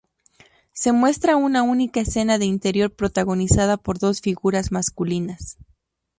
Se muestra una única escena de interior protagonizada por dos figuras masculinas.